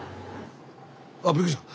あびっくりした！